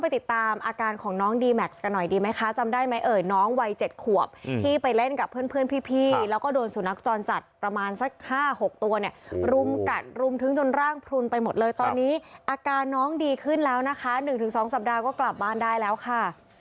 ติดตามอาการของน้องดีแม็กซ์กันหน่อยดีไหมคะจำได้ไหมเอ่ยน้องวัย๗ขวบที่ไปเล่นกับเพื่อนพี่แล้วก็โดนสุนัขจรจัดประมาณสัก๕๖ตัวเนี่ยรุมกัดรุมทึ้งจนร่างพลุนไปหมดเลยตอนนี้อาการน้องดีขึ้นแล้วนะคะ๑๒สัปดาห์ก็กลับบ้านได้แล้วค่ะ